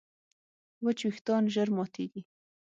وچ وېښتيان ژر ماتېږي.